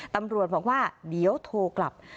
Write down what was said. ตำรวจบอกว่าเดี๋ยวโทรกลับ